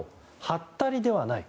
はったりではない。